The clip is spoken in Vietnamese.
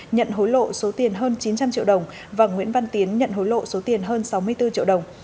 nhận hối lộ số tiền hơn chín trăm linh triệu đồng và nguyễn văn tiến nhận hối lộ số tiền hơn sáu mươi bốn triệu đồng